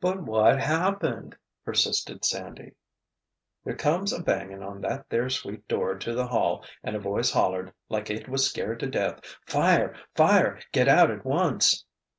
"But what happened?" persisted Sandy. "There comes a banging on that there suite door to the hall and a voice hollered, like it was scared to death, 'Fire! Fire—get out at once!